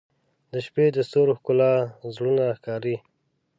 • د شپې د ستورو ښکلا زړونه راښکاري.